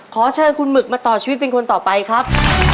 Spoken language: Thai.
ขอเชิญคุณหมึกมาต่อชีวิตเป็นคนต่อไปครับ